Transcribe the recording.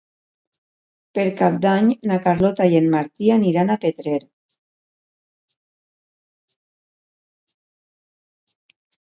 Per Cap d'Any na Carlota i en Martí aniran a Petrer.